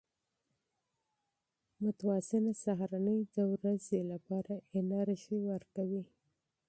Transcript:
متوازنه سهارنۍ د ورځې لپاره انرژي ورکوي.